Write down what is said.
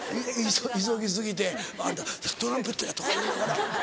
急ぎ過ぎて「あっトランペットや」とか言いながら。